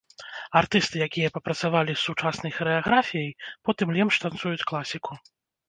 Артысты, якія папрацавалі з сучаснай харэаграфіяй, потым лепш танцуюць класіку.